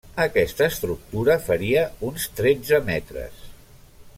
Aquesta estructura faria uns tretze metres.